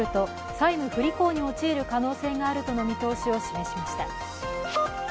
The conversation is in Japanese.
債務不履行に陥る可能性があるとの見通しを示しました。